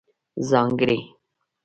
ځانګړنې: